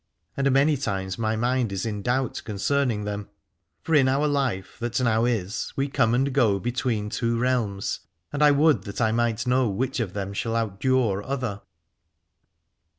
And many times my mind is in doubt concerning them : for 319 Aladore in our life that now is we come and go between two realms, and I would that I might know which of them shall outdure other.